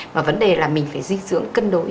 mà vấn đề là mình phải dinh dưỡng cân đối